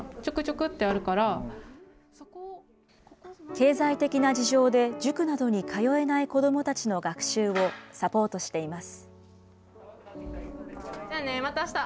経済的な事情で塾などに通えない子どもたちの学習をサポートしています。